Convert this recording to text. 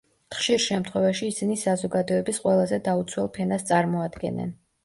ხშირ შემთხვევაში, ისინი საზოგადოების ყველაზე დაუცველ ფენას წარმოადგენენ.